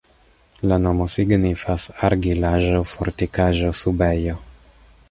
La nomo signifas: argilaĵo-fortikaĵo-subejo.